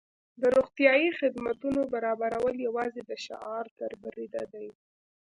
د روغتیايي خدمتونو برابرول یوازې د شعار تر بریده دي.